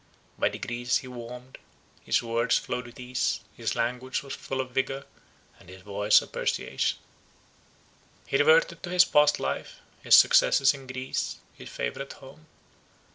By degrees he warmed; his words flowed with ease, his language was full of vigour, and his voice of persuasion. He reverted to his past life, his successes in Greece, his favour at home.